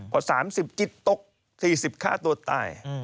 ก่อน๓๐จิตตก๔๕ตัวตาย